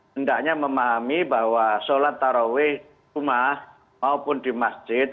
hendaknya memahami bahwa sholat taraweh di rumah maupun di masjid